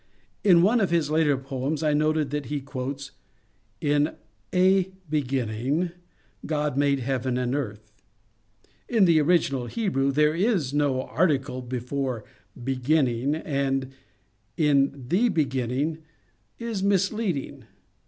In one of his later poems I noted that he quotes, ^^ In a beginning God made heaven and earth." In the original Hebrew there is no article before " beginning," and ^^ In tJie beginning," is misleading.